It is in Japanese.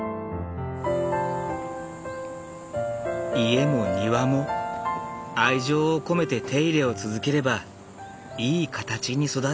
家も庭も愛情を込めて手入れを続ければいい形に育っていく。